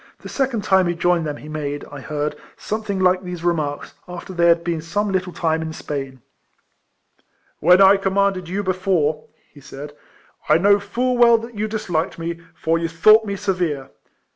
The second time he joined them he made, I heard, something like these remarks, after they had been some little time in Spain: — When I commanded you before/' he said, " I know full well that you disliked me, for you thought me severe.